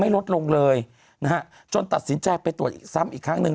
ลดลงเลยนะฮะจนตัดสินใจไปตรวจอีกซ้ำอีกครั้งหนึ่ง